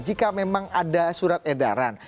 jika memang ada surat edaran